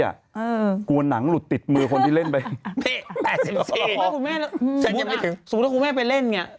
เป็นเด็กหนุ่มเลย